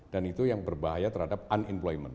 dan itu yang berbahaya terhadap unemployment